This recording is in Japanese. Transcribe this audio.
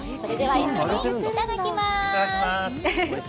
一緒にいただきまーす。